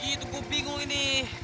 iya bukan gitu gue bingung ini